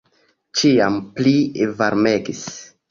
Ĉiam pli varmegis.